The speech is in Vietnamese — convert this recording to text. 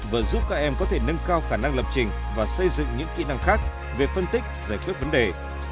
vừa giúp các em có thể nâng cao khả năng lập trình và xây dựng những kỹ năng khác về phân tích giải quyết vấn đề